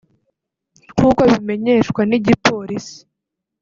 nk'uko bimenyeshwa n'igipolisi